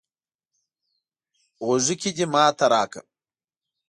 غوږيکې دې ماته راکړه